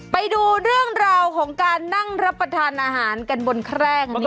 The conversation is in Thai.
ไปดูเรื่องราวของการนั่งรับประทานอาหารกันบนแคร่แห่งนี้